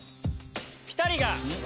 ピタリが。